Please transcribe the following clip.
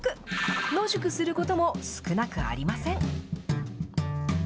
野宿することも少なくありません。